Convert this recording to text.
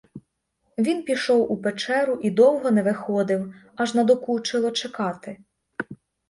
Він пішов у печеру і довго не виходив, аж надокучило чекати.